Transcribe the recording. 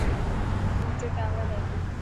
اونچو ٽاور هي.